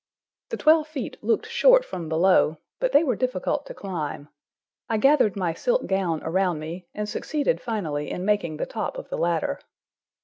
The twelve feet looked short from below, but they were difficult to climb. I gathered my silk gown around me, and succeeded finally in making the top of the ladder.